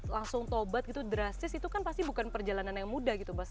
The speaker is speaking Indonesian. langsung tobat gitu drastis itu kan pasti bukan perjalanan yang mudah gitu mas